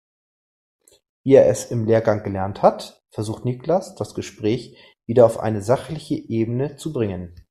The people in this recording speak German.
Wie er es im Lehrgang gelernt hat, versucht Niklas das Gespräch wieder auf eine sachliche Ebene zu bringen.